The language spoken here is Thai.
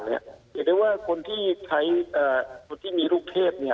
เห็นได้ว่าคนที่ใช้คนที่มีลูกเทพเนี่ย